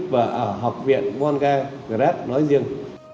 và ở học viện volga grat nói riêng